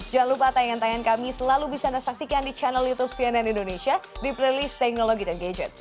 jangan lupa tayangan tayangan kami selalu bisa anda saksikan di channel youtube cnn indonesia di playlist teknologi dan gadget